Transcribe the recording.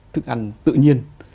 thức ăn tự nhiên